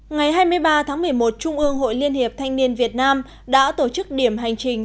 ngày hai mươi ba tháng một mươi một trung ương hội liên hiệp thanh niên việt nam đã tổ chức điểm hành trình